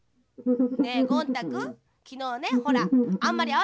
ねえゴン太くんきのうねほらあんまりあわててたべたから。